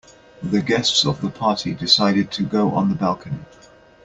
The guests of the party decided to go on the balcony.